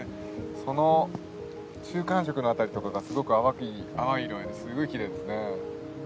その中間色の辺りとかがすごく淡い色ですごいきれいですね。